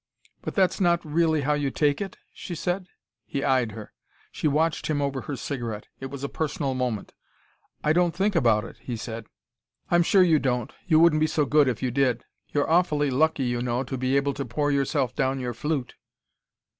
"But that's not really how you take it?" she said. He eyed her. She watched him over her cigarette. It was a personal moment. "I don't think about it," he said. "I'm sure you don't. You wouldn't be so good if you did. You're awfully lucky, you know, to be able to pour yourself down your flute."